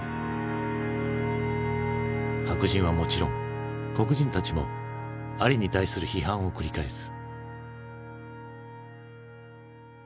白人はもちろん黒人たちもアリに対する批判を繰り返す。